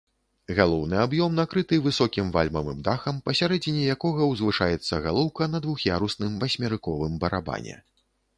Галоўны аб'ём накрыты высокім вальмавым дахам, пасярэдзіне якога ўзвышаецца галоўка на двух'ярусным васьмерыковым барабане.